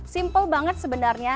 simple banget sebenarnya